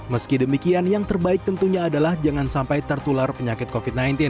meski demikian yang terbaik tentunya adalah jangan sampai tertular penyakit covid sembilan belas